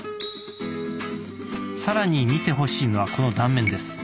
更に見てほしいのはこの断面です。